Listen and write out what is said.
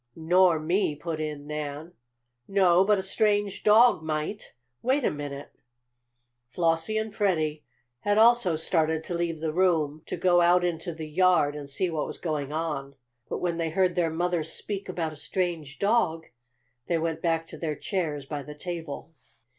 "Nor me!" put in Nan. "No, but the strange dog might. Wait a minute." Flossie and Freddie had also started to leave the room to go out into the yard and see what was going on, but when they heard their mother speak about a strange dog they went back to their chairs by the table.